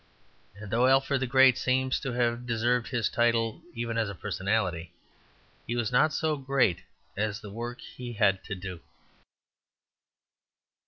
And though Alfred the Great seems to have deserved his title even as a personality, he was not so great as the work he had to do.